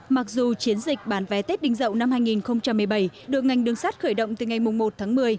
mặc dù chiến dịch bán vé tết đinh dậu năm hai nghìn một mươi bảy được ngành đường sắt khởi động từ ngày một tháng một mươi